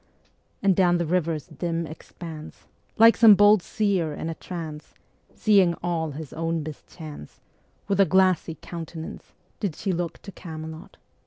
And down the river's dim expanse Like some bold seër in a trance, Seeing all his own mischance With a glassy countenance Ā Ā Did she look to Camelot.